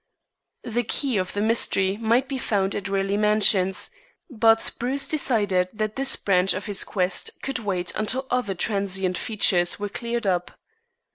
The key of the mystery might be found at Raleigh Mansions, but Bruce decided that this branch of his quest could wait until other transient features were cleared up.